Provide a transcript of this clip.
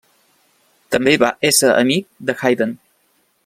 També va esser amic de Haydn.